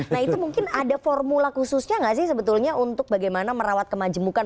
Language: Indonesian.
nah itu mungkin ada formula khususnya nggak sih sebetulnya untuk bagaimana merawat kemajemukan